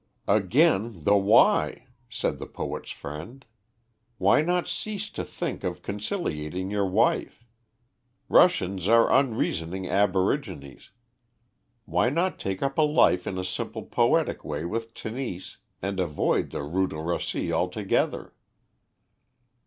"Again the why?" said the poet's friend. "Why not cease to think of conciliating your wife? Russians are unreasoning aborigines. Why not take up life in a simple poetic way with Tenise, and avoid the Rue de Russie altogether?"